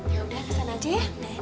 yaudah kesana aja ya